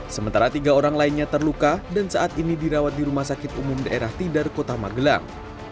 sementara tiga orang lainnya terluka dan saat ini dirawat di rumah sakit umum daerah tidar kota magelang